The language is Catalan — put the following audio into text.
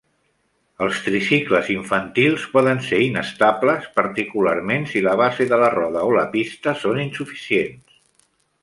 Els tricicles infantils poden ser inestables, particularment si la base de la roda o la pista són insuficients.